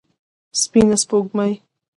سپينه سپوږمۍ